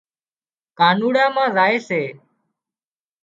ڪانوڙا مان زائي سي